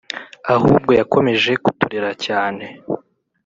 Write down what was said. ahubwo yakomeje kuturera cyane ,